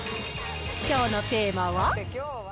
きょうのテーマは？